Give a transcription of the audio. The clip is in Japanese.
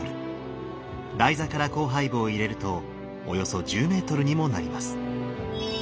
台座から光背部を入れるとおよそ１０メートルにもなります。